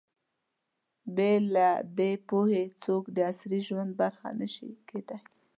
بې له دې پوهې، څوک د عصري ژوند برخه نه شي کېدای.